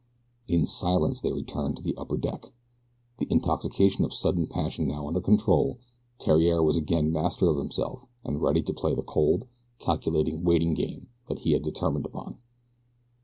In silence they returned to the upper deck. The intoxication of sudden passion now under control, Theriere was again master of himself and ready to play the cold, calculating, waiting game that he had determined upon.